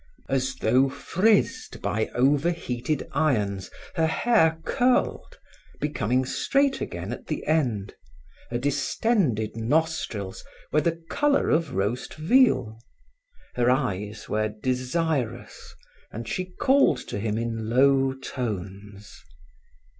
As though frizzed by overheated irons, her hair curled, becoming straight again at the end; her distended nostrils were the color of roast veal. Her eyes were desirous, and she called to him in low tones.